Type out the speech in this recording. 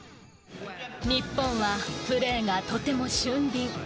日本はプレーがとても俊敏。